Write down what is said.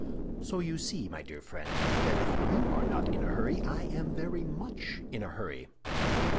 So you see, my dear friend, that if you are not in a hurry, I am very much in a hurry."